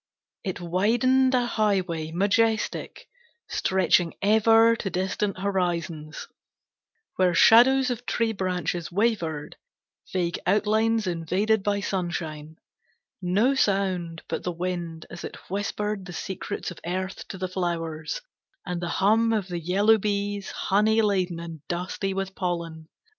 It widened a highway, majestic, stretching ever to distant horizons, Where shadows of tree branches wavered, vague outlines invaded by sunshine; No sound but the wind as it whispered the secrets of earth to the flowers, And the hum of the yellow bees, honey laden and dusty with pollen.